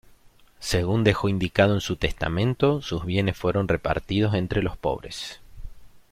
Según dejó indicado en su testamento sus bienes fueron repartidos entre los pobres.